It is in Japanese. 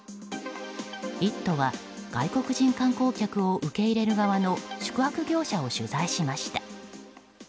「イット！」は外国人観光客を受け入れる側の宿泊業者を取材しました。